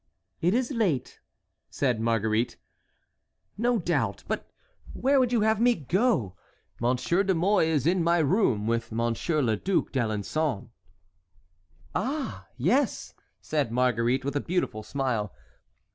"It is late," said Marguerite. "No doubt; but where would you have me go? Monsieur de Mouy is in my room with Monsieur le Duc d'Alençon." "Ah! yes," said Marguerite, with a beautiful smile.